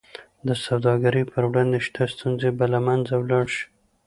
د سوداګرۍ پر وړاندې شته ستونزې به له منځه ولاړې شي.